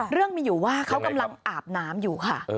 เรื่องมีอยู่ว่าเขากำลังอาบน้ำอยู่ค่ะ